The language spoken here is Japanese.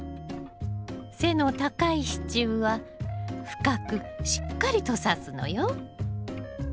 背の高い支柱は深くしっかりとさすのよ。